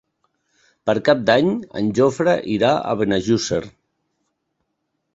Per Cap d'Any en Jofre irà a Benejússer.